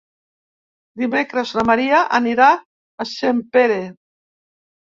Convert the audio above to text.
Dimecres na Maria anirà a Sempere.